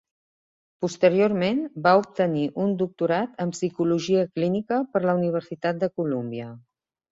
Posteriorment va obtenir un doctorat en psicologia clínica per la Universitat de Columbia.